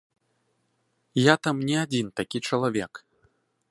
Я там не адзін такі чалавек.